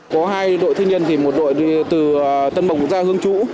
có hai đội thanh thiếu niên một đội từ tân bộng ra hương chũ